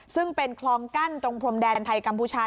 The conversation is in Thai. ซึ่งเป็นคลองกั้นตรงพรมแดนไทยกัมพูชา